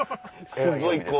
すごい！